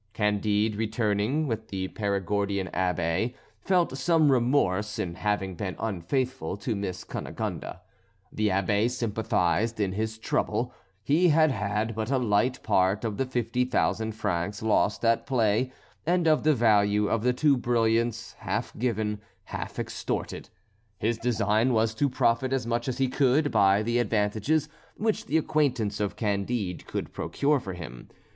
Candide, returning with the Perigordian Abbé, felt some remorse in having been unfaithful to Miss Cunegonde. The Abbé sympathised in his trouble; he had had but a light part of the fifty thousand francs lost at play and of the value of the two brilliants, half given, half extorted. His design was to profit as much as he could by the advantages which the acquaintance of Candide could procure for him.